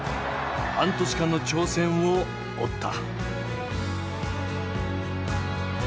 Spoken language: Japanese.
半年間の挑戦を追った。